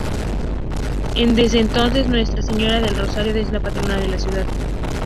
Desde entonces, Nuestra Señora del Rosario es la patrona de la Ciudad.